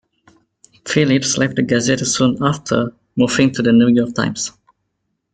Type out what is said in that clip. Philipps left the Gazette soon after, moving to The New York Times.